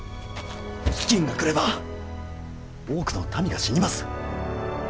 飢饉が来れば多くの民が死にます。